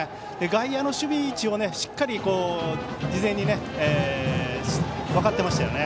外野の守備位置をしっかり事前に分かっていましたよね。